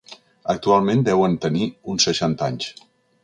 Actualment deuen tenir uns seixanta anys.